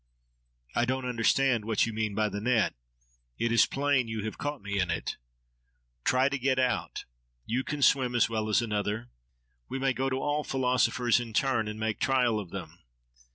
—I don't understand what you mean by the net. It is plain that you have caught me in it. —Try to get out! You can swim as well as another. We may go to all philosophers in turn and make trial of them.